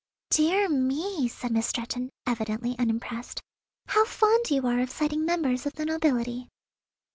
"Dear me!" said Miss Stretton, evidently unimpressed, "how fond you are of citing members of the nobility!"